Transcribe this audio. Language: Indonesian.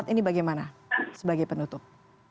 ini bagaimana sebagai penutup